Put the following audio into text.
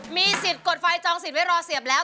มีสิทธิ์กดไฟจองสินไว้รอเสียบแล้ว